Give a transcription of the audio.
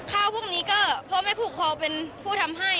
ข้าวพวกนี้ก็พร้อมให้ผู้คอเป็นผู้ทำให้